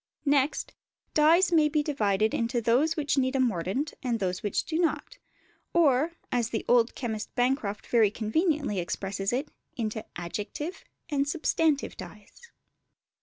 Next, dyes may be divided into those which need a mordant and those which do not; or, as the old chemist Bancroft very conveniently expresses it, into adjective and substantive dyes.